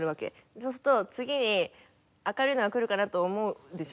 そうすると次に明るいのがくるかなと思うでしょ？